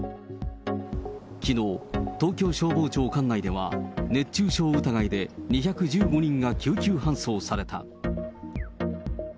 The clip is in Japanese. きのう、東京消防庁管内では、熱中症疑いで２１５人が救急搬送された。